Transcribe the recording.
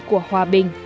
của hòa bình